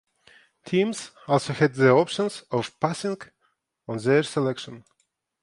Teams also had the option of passing on their selection.